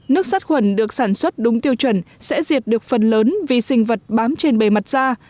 nước sát khuẩn được sản xuất đúng tiêu chuẩn sẽ diệt được phần lớn vì sinh vật bám trên bề mặt da